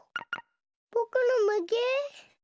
ぼくのまけ？